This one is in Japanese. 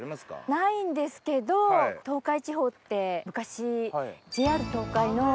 ないんですけど東海地方って昔ＪＲ東海の。